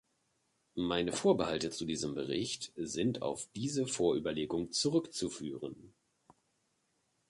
Meine Vorbehalte zu diesem Bericht sind auf diese Vorüberlegung zurückzuführen.